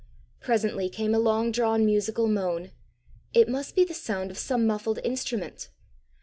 Presently came a long drawn musical moan: it must be the sound of some muffled instrument!